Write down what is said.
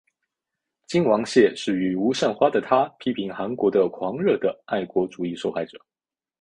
金完燮是与吴善花的他批评韩国的狂热的爱国主义受害者。